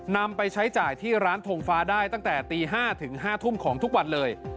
นำไปใช้จ่ายที่ร้านทงฟ้าได้ตั้งแต่ตี๕ถึง๕ทุ่มของทุกวันเลย